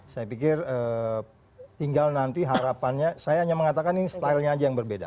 saya pikir tinggal nanti harapannya saya hanya mengatakan ini stylenya aja yang berbeda